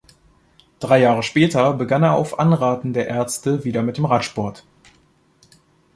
Drei Jahre später begann er auf Anraten der Ärzte wieder mit dem Radsport.